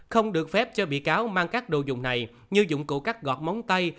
không được phép cho bị cáo mang các đồ dùng này như dụng cụ cắt gọt móng tay